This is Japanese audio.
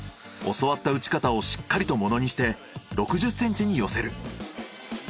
教わった打ち方をしっかりとものにして６０センチに寄せる。